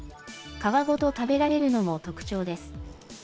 皮ごと食べられるのも特徴です。